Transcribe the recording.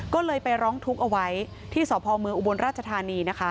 ก็เลยไปร้องทุกข์เอาไว้ที่สมอุบรณราชธานี